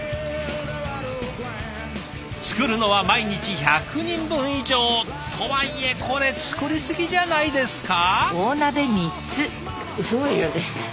作るのは毎日１００人分以上とはいえこれ作りすぎじゃないですか？